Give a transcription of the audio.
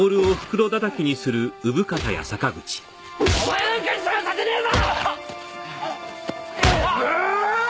お前なんかに邪魔させねえぞ！